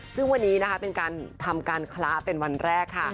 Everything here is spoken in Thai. ซึ่งวันนี้เป็นการทำการคล้าเป็นวันแรก